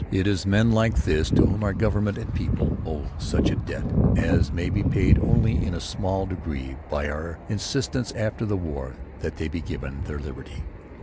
It is men like this to whom our Government and people owe such a debt as may be paid only in a small degree by our insistence after the war that they be given their liberty.